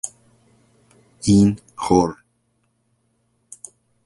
Int Hort.